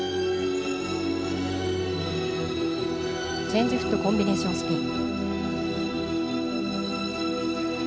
チェンジフットコンビネーションスピン。